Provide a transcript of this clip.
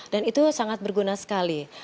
dan itu sangat berguna sekali